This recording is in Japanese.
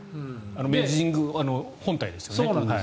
明治神宮本体ですよね。